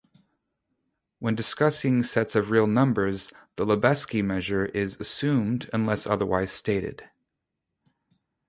When discussing sets of real numbers, the Lebesgue measure is assumed unless otherwise stated.